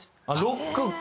ロックか。